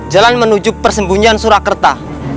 jalan menuju persembunyian surakerta